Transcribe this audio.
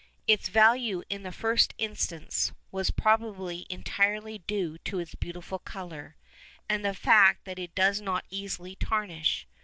Its value in the first instance was probably entirely due to its beautiful colour, and the fact that it does not easily tarnish.